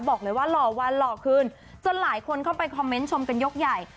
บอกเลยว่าหล่อวันหล่อคืนจนหลายคนเข้าไปคอมเมนต์ชมกันยกใหญ่